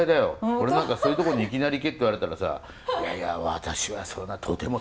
俺なんかそういうとこにいきなり行けって言われたらさ「いやいや私はそんなとてもとても」って。